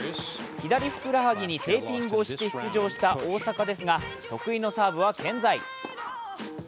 左ふくらはぎにテーピングをして出場した大坂ですが得意のサーブは健在。